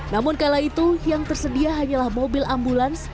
namun kala itu yang tersedia hanyalah mobil ambulans